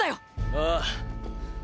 ああ！！